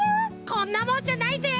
こんなもんじゃないぜ！